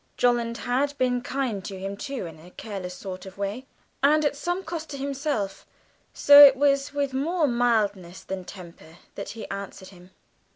Jolland had been kind to him, too, in a careless sort of way, and at some cost to himself; so it was with more mildness than temper that he answered him.